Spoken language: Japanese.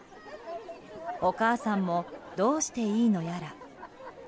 お母さんもどうしていいのやら。